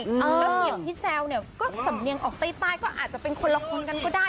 แล้วเสียงที่แซวเนี่ยก็สำเนียงออกใต้ก็อาจจะเป็นคนละคนกันก็ได้